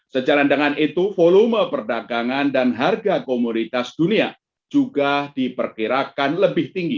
sejalan dengan itu volume perdagangan dan harga komoditas dunia juga diperkirakan lebih tinggi